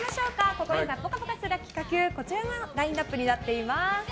心がぽかぽかする企画、こちらのラインアップになっています。